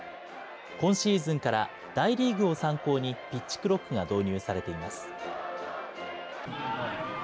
今シーズンから、大リーグを参考にピッチクロックが導入されています。